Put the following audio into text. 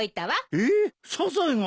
えっサザエが？